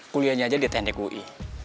kuliahnya aja di tni gui